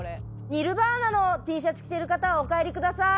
「ニルヴァーナのＴシャツ着てる方はお帰りください」。